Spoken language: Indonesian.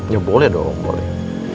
ya boleh dong boleh